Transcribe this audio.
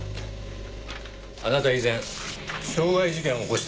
あなた以前傷害事件を起こしてますよね？